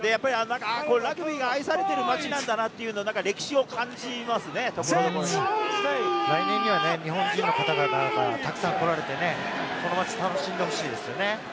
ラグビーが愛されている街なんだなぁって歴史を感じますね、来年には日本人の方々がたくさん来られて、この街を楽しんでほしいですね。